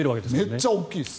めっちゃ大きいです。